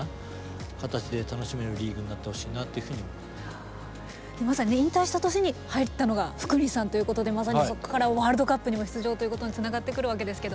そしてまさに引退した年に入ったのが福西さんということでまたそこからワールドカップにも出場ということにつながってくるわけですけど。